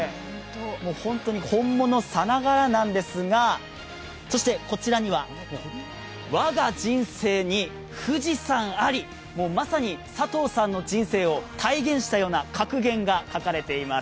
本当に本物さながらなんですが、そしてこちらには「我が人生に富士山あり」まさに佐藤さんの人生を体現したような格言が書かれています。